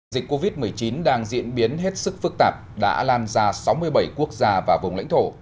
dịch covid một mươi chín đang diễn biến hết sức phức tạp đã lan ra sáu mươi bảy quốc gia và vùng lãnh thổ